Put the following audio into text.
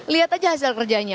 lihat aja hasil kerjanya